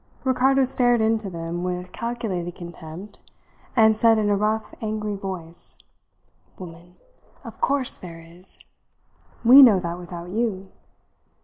Ricardo stared into them with calculated contempt and said in a rough, angry voice: "Woman! Of course there is. We know that without you!"